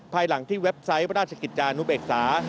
ภายหลังที่เว็บไซต์ราชกิจจานุเบกษา